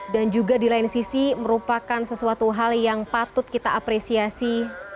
dan juga di lain sisi merupakan sesuatu hal yang patut kita apresiasi